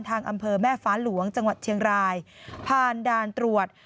อำเภอแม่ฟ้าหลวงจังหวัดเชียงรายผ่านด่านตรวจ